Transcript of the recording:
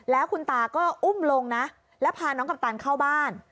แล้วคุณตาก็อุ้มลงนะแล้วพาน้องกัปตันเข้าบ้าน